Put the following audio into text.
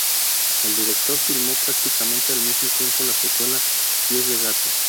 El director filmó prácticamente al mismo tiempo la secuela "Pies de Gato".